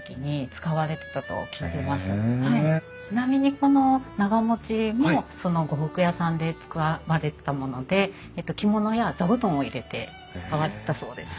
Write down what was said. あのちなみにこの長持ちもその呉服屋さんで使われてたもので着物や座布団を入れて使われてたそうです。